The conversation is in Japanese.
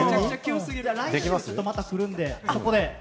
来週また来るんで、そこで。